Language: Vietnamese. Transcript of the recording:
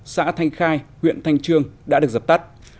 xã thanh khai huyện thanh trương đã được dập tắt